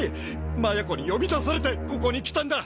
麻也子に呼び出されてここに来たんだ！